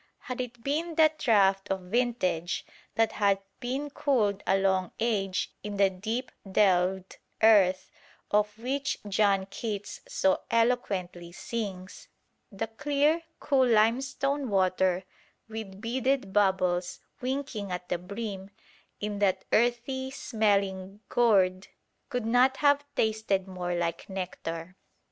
Had it been that "draught of vintage, that hath been Cooled a long age in the deep delved earth" of which John Keats so eloquently sings, the clear, cool limestone water "with beaded bubbles winking at the brim" in that earthy smelling gourd could not have tasted more like nectar.